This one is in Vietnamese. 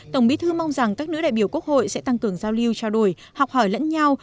tổng bí thư mong rằng các nữ đại biểu quốc hội sẽ tăng cường giao lưu trao đổi học hỏi lẫn nhau